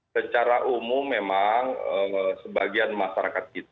secara umum memang sebagian masyarakat kita